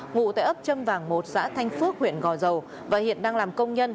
ngụ tại ấp châm vàng một xã thanh phước huyện gò dầu và hiện đang làm công nhân